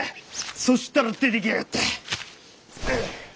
そしたら出てきやがった。